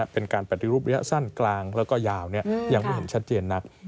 เป็นการปฏิรูประยะสั้นกลางแล้วก็ยาวยังไม่เห็นชัดเจนนัก